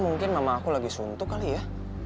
mungkin mama aku lagi suntuk kali ya